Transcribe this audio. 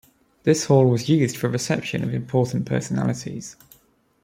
This hall was used for reception of important personalities.